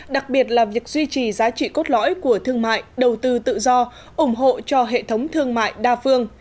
đặc biệt là việc duy trì giá trị cốt lõi của thương mại đầu tư tự do ủng hộ cho hệ thống thương mại đa phương